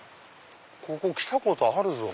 ここ来たことあるぞ。